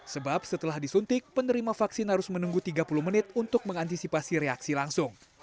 sebab setelah disuntik penerima vaksin harus menunggu tiga puluh menit untuk mengantisipasi reaksi langsung